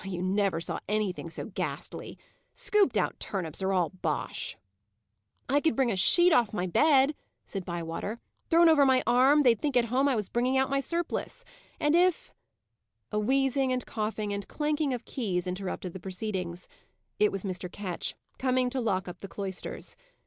You never saw anything so ghastly. Scooped out turnips are all bosh!" "I could bring a sheet off my bed," said Bywater. "Thrown over my arm, they'd think at home I was bringing out my surplice. And if " A wheezing and coughing and clanking of keys interrupted the proceedings. It was Mr. Ketch, coming to lock up the cloisters.